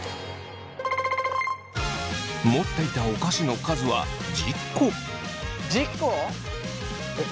持っていたお菓子の数は１０個。